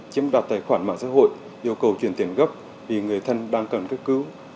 chiếm đặt tài khoản mạng xã hội yêu cầu chuyển tiền gấp vì người thân đang cần cức cứu